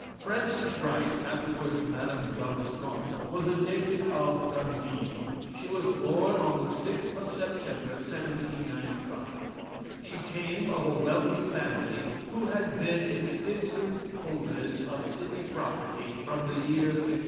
Frances Wright, afterwards Madame D'Arusmont, was a native of Dundee. She was born on the 6th of September, 1795. She came of a wealthy family, who had been extensive holders of city property from the year 1500.